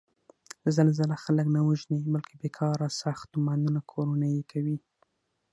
زلزله خلک نه وژني، بلکې بېکاره ساختمانونه کورنه یې کوي.